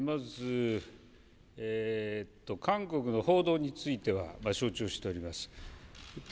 まず、韓国の報道については承知をしております。